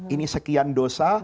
ini sekian dosa